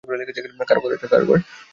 কার ঘর এটা?